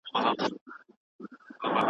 که سوله راشي نو موږ به پرمختللی ژوند ولرو.